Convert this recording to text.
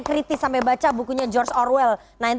kritis sampai baca bukunya george orwell